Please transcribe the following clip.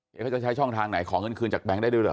เขาจะใช้ช่องทางไหนของเงินคืนจากแบงค์ได้ด้วยหรอ